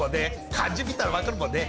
漢字見たらわかるもんね